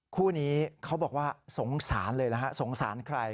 คู่นี้เขาบอกว่าสงสารเลยนะฮะสงสารใคร